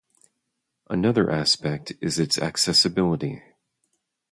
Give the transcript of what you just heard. Another aspect is its accessibility.